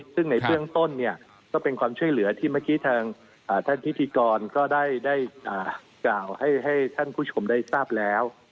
ซึ่งในเบื้องต้นเนี่ยก็เป็นความช่วยเหลือที่เมื่อกี้ทางท่านพิธีกรก็ได้กล่าวให้ท่านผู้ชมได้ทราบแล้ว